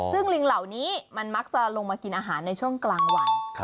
ซึ่งลิงเหล่านี้มันมักจะลงมากินอาหารในช่วงกลางวัน